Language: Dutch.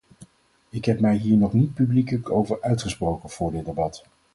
Ik heb mij hier nog niet publiekelijk over uitgesproken vóór dit debat.